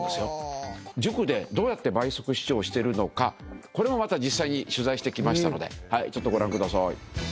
塾でどうやって倍速視聴をしてるのかこれも取材してきましたのでちょっとご覧ください。